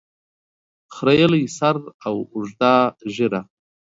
خریلي سر او اوږده ږیره